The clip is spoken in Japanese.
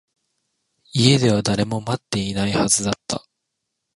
家では誰も待っていないはずだった